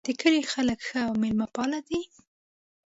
د کلي خلک ښه او میلمه پال دي